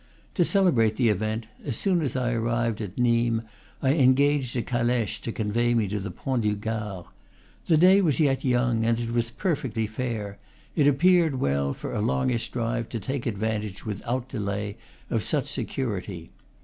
To celebrate the event, as soon as I arrived at Nimes I engaged a caleche to convey me to the Pont du Gard. The day was yet young, and it was perfectly fair; it ap peared well, for a longish drive, to take advantage, without delay, of such security.